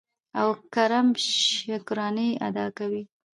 او کرم شکرانې ادا کوي.